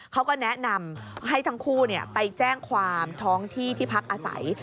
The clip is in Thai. เขาก็แนะนำให้ทั้งคู่ไปแจ้งความท้องที่ที่พักอาศัย